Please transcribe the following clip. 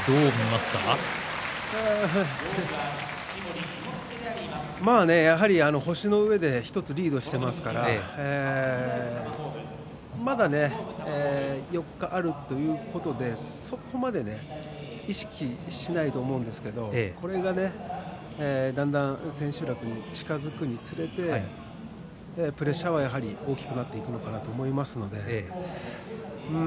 まあ、星のうえで１つリードしていますからまだ４日あるということでまだ、そこまでは意識しないと思うんですがこれがだんだんと千秋楽が近づくにつれてプレッシャーはやはり大きくなっていくと思います。